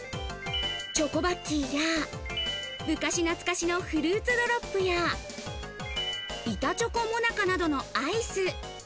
チョコバッキーや昔懐かしのフルーツドロップや板チョコモナカなどのアイス。